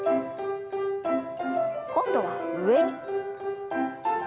今度は上。